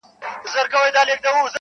• درواري دي سم شاعر سه قلم واخله,